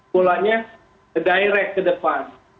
bolanya direct ke depan